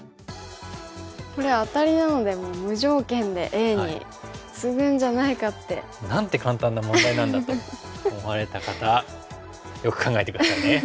これアタリなので無条件でＡにツグんじゃないかって。なんて簡単な問題なんだと思われた方よく考えて下さいね。